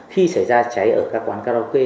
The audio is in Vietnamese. khi xảy ra cháy ở các quán karaoke